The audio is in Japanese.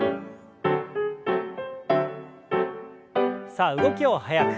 さあ動きを速く。